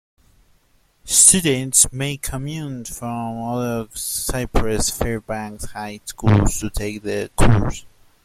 Students may commute from other Cypress-Fairbanks high schools to take the course.